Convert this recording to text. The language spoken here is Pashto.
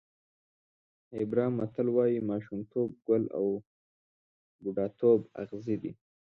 هېبرا متل وایي ماشومتوب ګل او بوډاتوب اغزی دی.